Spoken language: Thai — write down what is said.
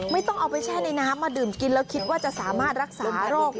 ไม่ต้องเอาไปแช่ในน้ำมาดื่มกินแล้วคิดว่าจะสามารถรักษาโรค